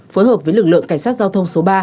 phối hợp với lực lượng cảnh sát giao thông số ba